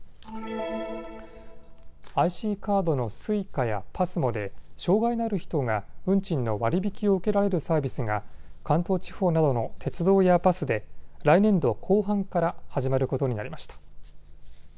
ＩＣカードのＳｕｉｃａやＰＡＳＭＯで障害のある人が運賃の割引を受けられるサービスが関東地方などの鉄道やバスで来年度後半から始まることになりました。